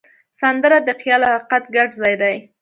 سندره د خیال او حقیقت ګډ ځای دی